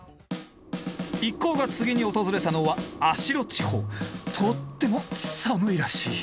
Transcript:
一行が次に訪れたのはとっても寒いらしい。